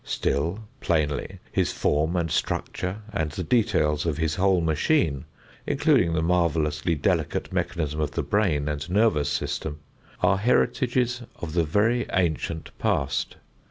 Still, plainly, his form and structure and the details of his whole machine, including the marvelously delicate mechanism of the brain and nervous system, are heritages of the very ancient past.